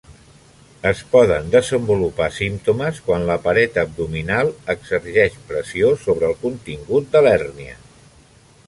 Es poden desenvolupar símptomes quan la paret abdominal exerceix pressió sobre el contingut de l'hèrnia.